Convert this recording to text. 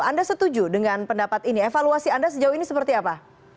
anda setuju dengan pendapat ini evaluasi anda sejauh ini seperti apa